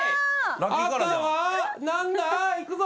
赤は何だ？いくぞ！